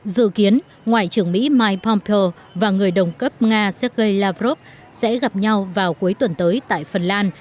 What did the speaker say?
dự kiến ngoại trưởng mỹ mike pompeo và người đồng cấp nga sergei lavrov sẽ gặp nhau vào cuối tuần tới tại phần lan